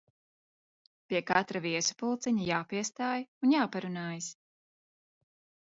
Pie katra viesu pulciņa jāpiestāj un jāparunājas.